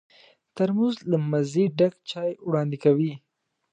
ترموز له مزې ډک چای وړاندې کوي.